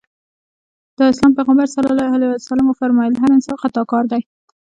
د اسلام پيغمبر ص وفرمایل هر انسان خطاکار دی.